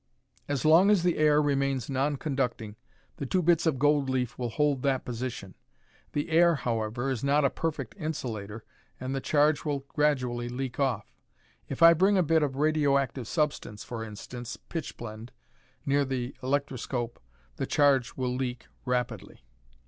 "As long as the air remains non conducting, the two bits of gold leaf will hold that position. The air, however, is not a perfect insulator and the charge will gradually leak off. If I bring a bit of radioactive substance, for instance, pitchblende, near the electroscope, the charge will leak rapidly.